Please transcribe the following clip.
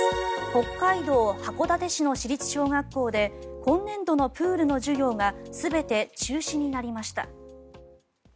北海道函館市の市立小学校で今年度のプールの授業が全て中止になりました。